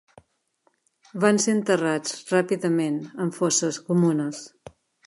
Van ser enterrats ràpidament en fosses comunes.